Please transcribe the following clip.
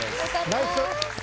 ナイス！